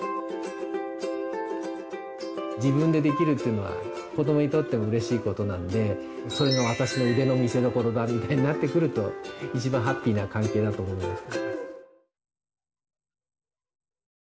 自分でできるっていうのは子どもにとってもうれしいことなので「それがワタシのウデのみせどころだ」みたいになってくると一番ハッピーな関係だと思います。